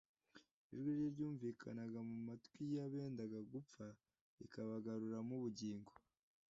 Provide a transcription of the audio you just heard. Ijwi rye ryumvikanaga mu matwi y'abenda gupfa rikabagaruramo ubugingo